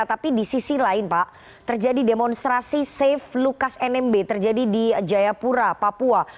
tapi di sisi lain pak terjadi demonstrasi safe lukas nmb terjadi di jayapura papua